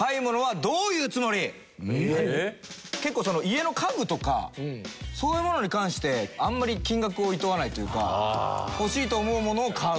結構家の家具とかそういうものに関してあんまり金額をいとわないというか欲しいと思うものを買う。